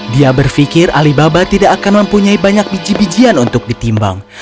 dia berpikir alibaba tidak akan mempunyai banyak biji bijian untuk ditimbang